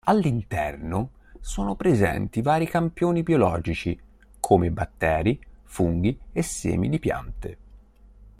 All'interno sono presenti vari campioni biologici, come batteri, funghi e semi di piante.